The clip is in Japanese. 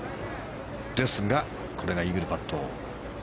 ですが、これはイーグルパット。